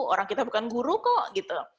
orang kita bukan guru kok gitu